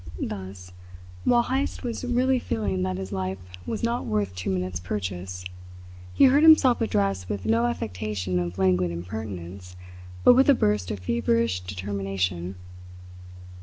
Thus, while Heyst was really feeling that his life was not worth two minutes, purchase, he heard himself addressed with no affectation of languid impertinence but with a burst of feverish determination.